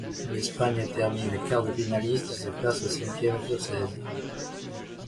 L'Espagne termine quart-de-finaliste et se classe cinquième sur seize.